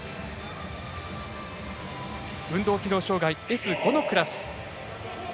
運動機能障がいＳ５のクラス。